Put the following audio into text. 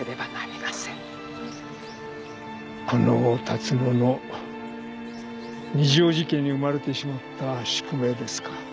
この龍野の二条路家に生まれてしまった宿命ですか。